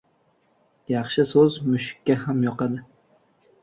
• Yaxshi so‘z mushukka ham yoqadi.